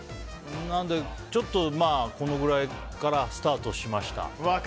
なので、このくらいからスタートしました。